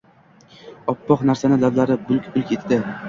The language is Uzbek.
Oppoq narsani lablari... bulk-bulk etdi.